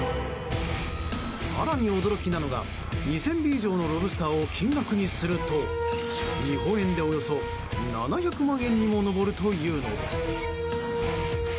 更に、驚きなのが２０００尾以上のロブスターを金額にすると日本円で、およそ７００万円にも上るというのです。